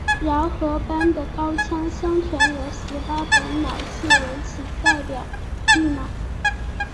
饶河班的高腔相传有十八本老戏为其代表剧码。